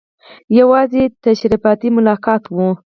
یوازې تشریفاتي ملاقات وو.